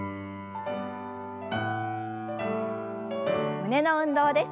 胸の運動です。